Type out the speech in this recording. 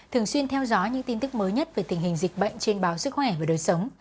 thường xuyên theo dõi những tin tức mới nhất về tình hình dịch bệnh trên báo sức khỏe và đời sống